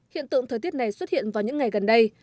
hiện tượng thời tiết này xuất hiện vào những ngày gần đây